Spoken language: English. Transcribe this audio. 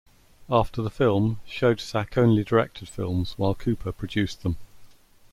After the film, Schoedsack only directed films, while Cooper produced them.